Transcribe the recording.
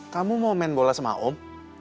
kamu mau main bola sama om